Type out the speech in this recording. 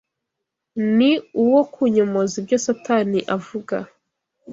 ni uwo kunyomoza ibyo Satani avuga.